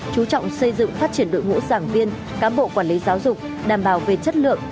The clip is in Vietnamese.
chú trọng xây dựng phát triển đội ngũ giảng viên cán bộ quản lý giáo dục đảm bảo về chất lượng